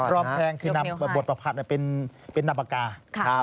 รองแพงคือนำบทประพันธ์เป็นนามปากกา